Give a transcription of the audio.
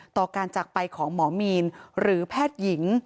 ต่อการจากไปของหมอมีนหรือแพทย์หญิง